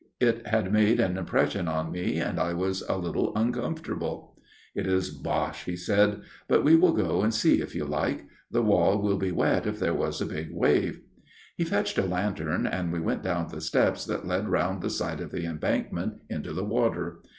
It had made an impression on me, and I was a little uncomfortable. "' It is bosh/ he said. ' But we will go and see if you like. The wall will be wet if there was a big wave/ " He fetched a lantern, and we went down the steps that led round the side of the embankment into the water.